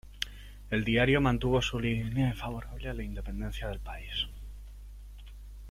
El diario mantuvo su línea favorable a la independencia del país.